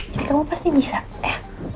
jadi kamu pasti bisa ya